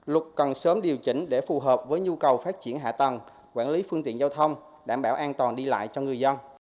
luật cần sớm điều chỉnh để phù hợp với nhu cầu phát triển hạ tầng quản lý phương tiện giao thông đảm bảo an toàn đi lại cho người dân